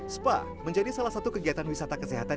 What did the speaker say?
spa menjadi salah satu kegiatan wisata kesehatan